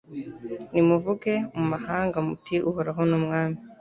Nimuvuge mu mahanga muti Uhoraho ni Umwami